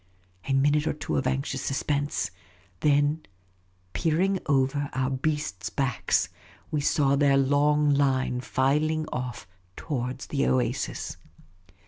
A minute or two of anxious suspense ; then, peer ing over our beasts' backs, we saw their long line filing off towards the oasis.